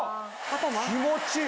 気持ちいい！